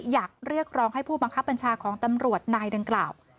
อยากเรียกร้องให้ผู้บังคับบัญชาของตำรวจนายดังกล่าว